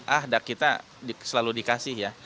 ah kita selalu dikasih ya